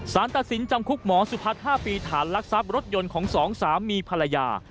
สารตัดสินจำคุกหมอสุพัฒน์๕ปีฐานลักทรัพย์รถยนต์ของสองสามีภรรยา